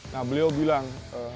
nah beliau bilang